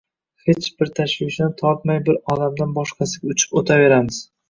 hech bir tashvishini tortmay bir olamdan boshqasiga uchib o‘taveramiz.